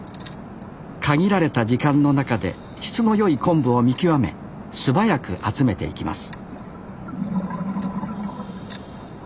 限られた時間の中で質の良い昆布を見極め素早く集めていきます